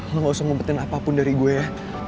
lo gak usah ngumpetin apapun dari gue ya